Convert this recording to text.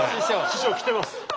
師匠来てます。